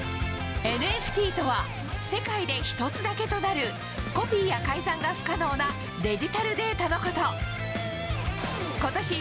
ＮＦＴとは世界で１つだけとなるコピーや改ざんが不可能なデジタルデータのこと。